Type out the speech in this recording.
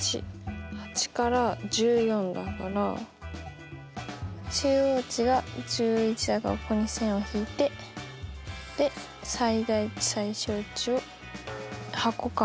８から１４だから中央値が１１だからここに線を引いて最大値最小値を箱か箱につなぐ。